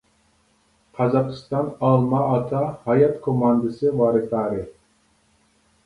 قازاقىستان ئالما ئاتا ھايات كوماندىسى ۋاراتارى.